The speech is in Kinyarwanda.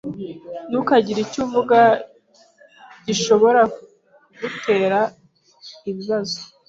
Ntukagire icyo uvuga gishobora kugutera ibibazo.